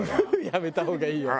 やめた方がいいよ。